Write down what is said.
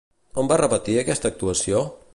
On va repetir aquesta actuació?